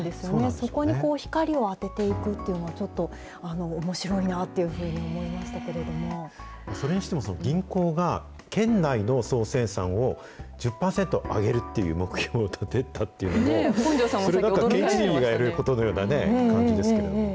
そこに光を当てていくっていうのがちょっとおもしろいなっていうそれにしても、その銀行が県内の総生産を１０％上げるっていう目標を立てたっていうのも、それは県知事がやるような感じですけれども。